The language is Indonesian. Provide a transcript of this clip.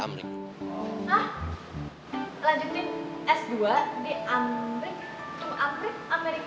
lanjutin s dua di amrik